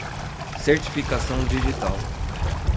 Certificação digital